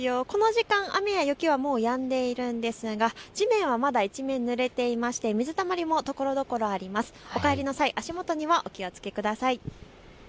この時間雨や雪はもうやんでいるんですが地面はまだぬれていて、水たまりもところどころあります。